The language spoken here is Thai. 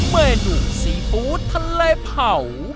เมนูซีฟู้ดทะเลเผา